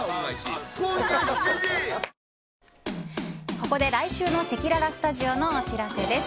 ここで来週のせきららスタジオのお知らせです。